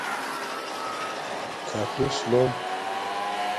کھاٹوس لوم